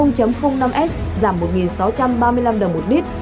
giảm một nghìn sáu trăm ba mươi năm đồng một lít